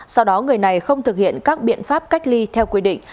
sau đó người này không thực hiện các biện pháp cách ly theo quy định